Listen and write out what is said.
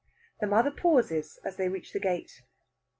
The mother pauses as they reach the gate.